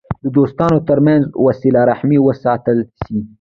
د دوستانو ترمنځ وسیله رحمي باید وساتل سي.